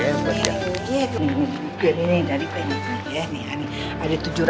ini dari pengguna ya ada tujuh ratus lima puluh